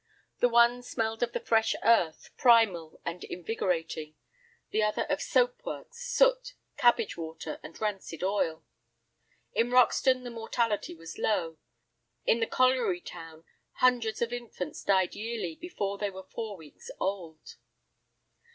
The one smelled of the fresh earth, primal and invigorating; the other of soap works, soot, cabbage water, and rancid oil. In Roxton the mortality was low; in the colliery town hundreds of infants died yearly before they were four weeks old.